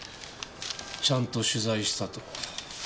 「ちゃんと取材した」と。